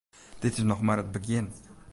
Dit is noch mar it begjin.